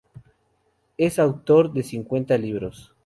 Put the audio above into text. Es autor de cincuenta libros.